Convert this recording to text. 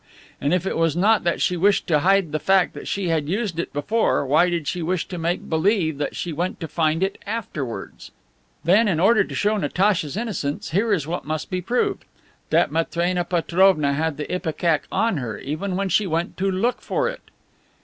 And if it was not that she wished to hide the fact that she had used it before, why did she wish to make believe that she went to find it afterwards? "Then, in order to show Natacha's innocence, here is what must be proved: that Matrena Petrovna had the ipecac on her, even when she went to look for it."